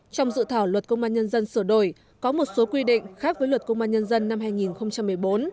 trong dự thảo luật công an nhân dân sửa đổi có một số quy định khác với luật công an nhân dân năm hai nghìn một mươi bốn